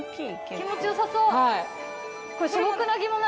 気持ちよさそう。